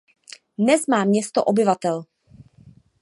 Dnes má město obyvatel.